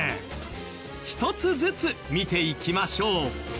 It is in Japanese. １つずつ見ていきましょう。